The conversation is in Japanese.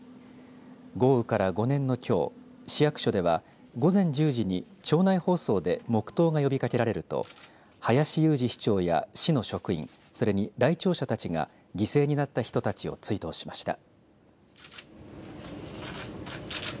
豪雨から５年のきょう市役所では午前１０時に庁内放送で黙とうが呼びかけられると林裕二市長や市の職員すでに来庁者たちが犠牲になった人たちを追悼しました。